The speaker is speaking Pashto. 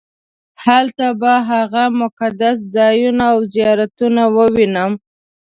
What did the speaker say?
هلته به هغه مقدس ځایونه او زیارتونه ووینم.